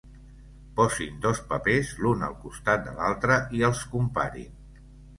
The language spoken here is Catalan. Posin dos papers l'un al costat de l'altre i els comparin.